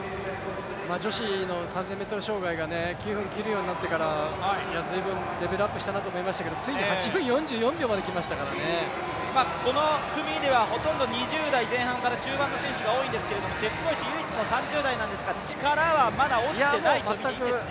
女子の３０００ｍ障害が９分を切るようになってから随分レベルアップしたなと思いましたけどついに８分４４秒まできましたからねこの組ではほとんど２０代中盤から終盤の選手が多いんですけれども、チェプコエチ、唯一の３０代なんですが、力はまだ落ちていないとみていいですね。